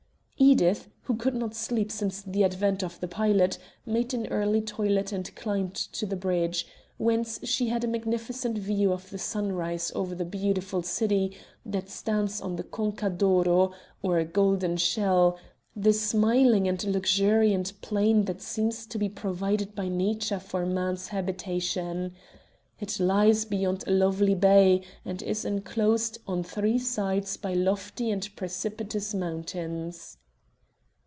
Edith, who could not sleep since the advent of the pilot, made an early toilet and climbed to the bridge, whence she had a magnificent view of the sunrise over the beautiful city that stands on the Conca d'Oro, or Golden Shell the smiling and luxuriant plain that seems to be provided by Nature for man's habitation. It lies beyond a lovely bay, and is enclosed on three sides by lofty and precipitous mountains.